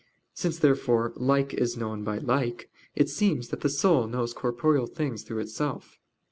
Since, therefore, like is known by like, it seems that the soul knows corporeal things through itself.